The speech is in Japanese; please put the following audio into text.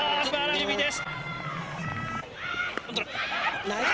すばらしい守備です。